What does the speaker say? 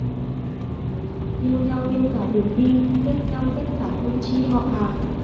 Yêu nhau yêu cả đường đi, ghét nhau ghét cả tông chi họ hàng